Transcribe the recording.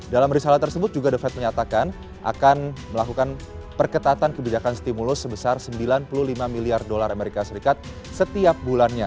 dalam risalah tersebut juga the fed menyatakan akan melakukan perketatan kebijakan stimulus sebesar sembilan puluh lima miliar dolar amerika serikat setiap bulannya